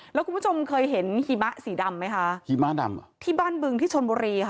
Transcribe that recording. แล้วคุณผู้ชมเคยเห็นหิมะสีดำไหมคะหิมะดำอ่ะที่บ้านบึงที่ชนบุรีค่ะ